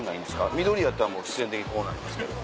緑やったらもう必然的にこうなりますけど。